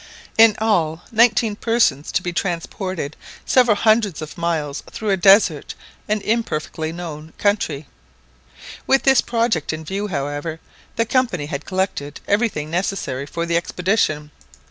In all, nineteen persons to be transported several hundreds of miles through a desert and imperfectly known country. With this project in view, however, the Company had collected everything necessary for the expedition.